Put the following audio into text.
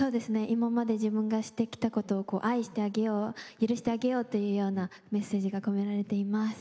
今まで自分がしてきたことを愛してあげよう許してあげようというようなメッセージが込められています。